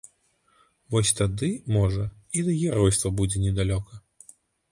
Вось тады, можа, і да геройства будзе недалёка!